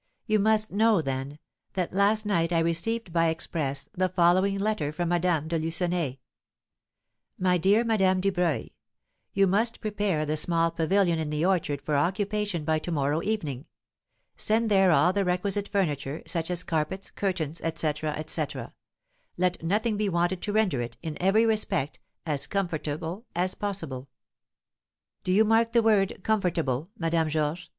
You must know, then, that last night I received by express the following letter from Madame de Lucenay: "MY DEAR MADAME DUBREUIL: "'You must prepare the small pavilion in the orchard for occupation by to morrow evening. Send there all the requisite furniture, such as carpets, curtains, etc., etc. Let nothing be wanted to render it, in every respect, as comfortable as possible.' "Do you mark the word 'comfortable,' Madame Georges?"